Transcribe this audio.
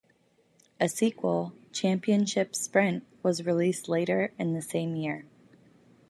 A sequel, Championship Sprint, was released later in the same year.